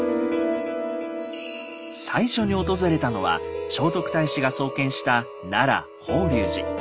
最初に訪れたのは聖徳太子が創建した奈良法隆寺。